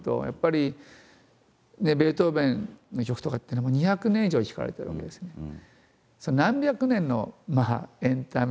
やっぱりねベートーベンの曲とかっていうのはもう２００年以上聴かれてるわけですよね。